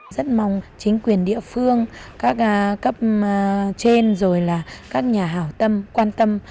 rất mong chính quyền địa phương các cấp trên rồi là các nhà hảo tâm quan tâm